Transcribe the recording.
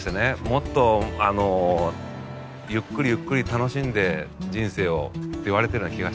もっとゆっくりゆっくり楽しんで人生をって言われてるような気がしてね。